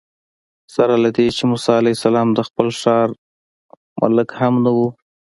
سره له دې چې موسی علیه السلام د خپل ښار ملک هم نه و.